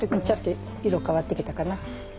ちょっと色変わってきたかな。